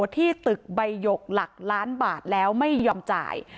ที่ตึกใบหยกหลักล้านบาทแล้วไม่ยอมจ่าย